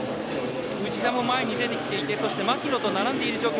内田も前に出てきてそして、牧野と並んでいる状況。